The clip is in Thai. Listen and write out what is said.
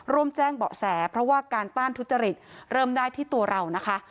ร่วมแจ้งเบาะแสเพราะว่าการต้านทุจริตเริ่มได้ที่ตัวเรานะคะ